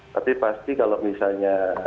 tapi pasti kalau misalnya